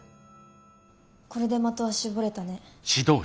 これで的は絞れたね。